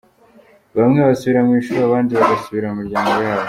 Bamwe basubira mu ishuri, abandi bagasubira mu miryango yabo.